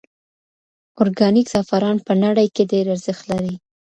ارګانیک زعفران په نړۍ کې ډېر ارزښت لري.